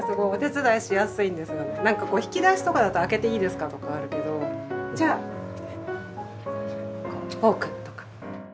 何かこう引き出しとかだと「開けていいですか？」とかあるけどじゃあこうフォークとか。